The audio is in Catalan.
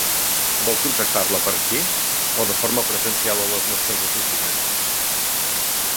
Vol contractar-la per aquí, o de forma presencial a les nostres oficines?